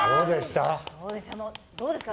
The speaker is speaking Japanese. どうですか？